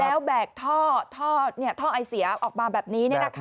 แล้วแบกท่อท่อเนี้ยท่อไอเสียออกมาแบบนี้เนี้ยนะคะ